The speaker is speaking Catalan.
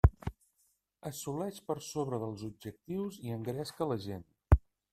Assoleix per sobre dels objectius i engresca la gent.